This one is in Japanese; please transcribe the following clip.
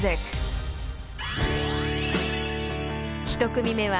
［１組目は］